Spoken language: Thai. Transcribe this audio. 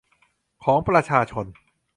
ของประชาชน